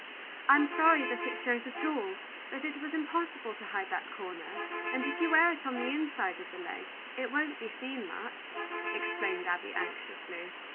"I'm sorry that it shows at all; but it was impossible to hide that corner, and if you wear it on the inside of the leg, it won't be seen much," explained Abby, anxiously.